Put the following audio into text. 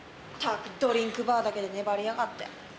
ったくドリンクバーだけで粘りやがって。